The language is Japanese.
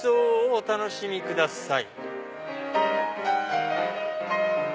お楽しみください」。